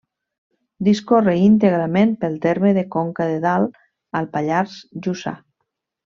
Discorre íntegrament pel terme de Conca de Dalt, al Pallars Jussà.